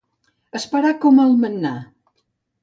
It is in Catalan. Esperar com el mannà.